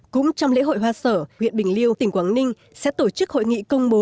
cũng trong lễ hội hoa sở huyện bình liêu tỉnh quảng ninh sẽ tổ chức hội nghị công bố